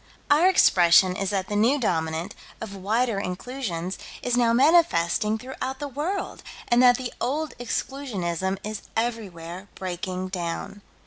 Our expression is that the New Dominant, of Wider Inclusions, is now manifesting throughout the world, and that the old Exclusionism is everywhere breaking down.